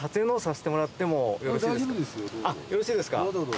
あっよろしいですか？